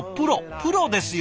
プロですよ！